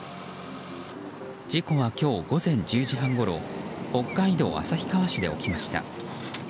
事故は今日午前１０時半ごろ北海道旭川市で起きました。